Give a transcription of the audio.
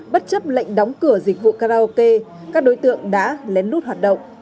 bất chấp lệnh đóng cửa dịch vụ karaoke các đối tượng đã lén lút hoạt động